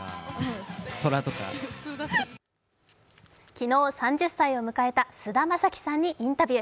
昨日３０歳を迎えた菅田将暉さんにインタビュー。